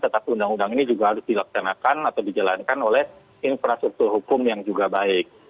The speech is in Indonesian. tetapi undang undang ini juga harus dilaksanakan atau dijalankan oleh infrastruktur hukum yang juga baik